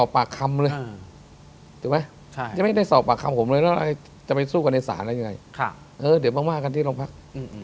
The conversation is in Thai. ผมเลยจะไปสู้กันในศาลแล้วยังไงเออเดี๋ยวมากกันที่โรงพักษณ์